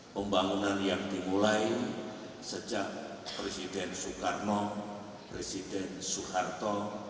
pembangunan yang dimulai sejak presiden soekarno presiden soeharto